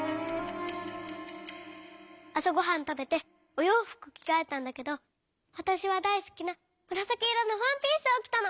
あさごはんたべておようふくきがえたんだけどわたしはだいすきなむらさきいろのワンピースをきたの。